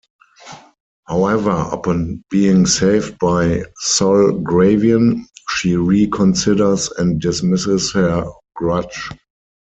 However, upon being saved by Sol Gravion, she reconsiders and dismisses her grudge.